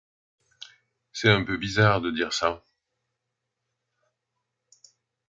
c'est un peu bizarre de dire ça.